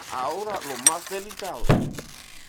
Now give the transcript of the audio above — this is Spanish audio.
Ahora, lo más delicado.